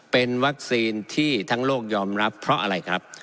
เป็นวัคซีนที่ทั้งโลกยอมรับเพราะอะไรครับ